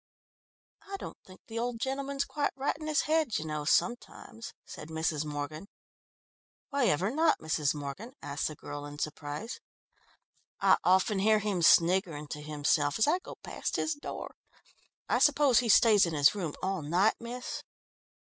"I don't think the old gentleman's quite right in his head, you know, sometimes," said Mrs. Morgan. "Why ever not, Mrs. Morgan?" asked the girl in surprise. "I often hear him sniggering to himself as I go past his door. I suppose he stays in his room all night, miss?"